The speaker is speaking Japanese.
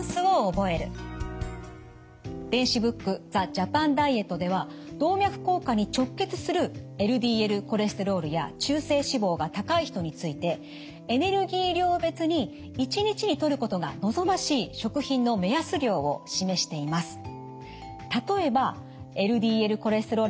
電子ブック「ザ・ジャパン・ダイエット」では動脈硬化に直結するＬＤＬコレステロールや中性脂肪が高い人についてエネルギー量別に１日にとることが望ましい食品の目安量を示しています。